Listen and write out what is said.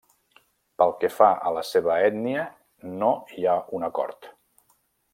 Pel que fa a la seva ètnia no hi ha un acord.